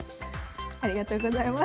ありがとうございます。